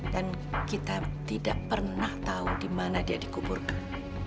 dan kita tidak pernah tahu di mana dia dikuburkan